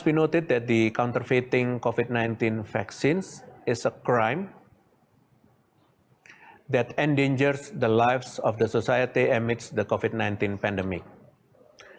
perlu diperhatikan bahwa vaksin covid sembilan belas yang bergantung adalah kebohongan yang mengancam kehidupan masyarakat terhadap pandemi covid sembilan belas